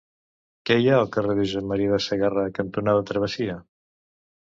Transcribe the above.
Què hi ha al carrer Josep M. de Sagarra cantonada Travessia?